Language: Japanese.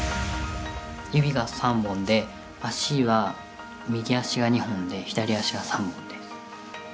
指が３本で、足は右足が２本で、左足が３本です。